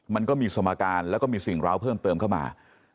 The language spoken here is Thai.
มันก็มีสมการแล้วก็มีสิ่งร้าวเพิ่มเติมเข้ามา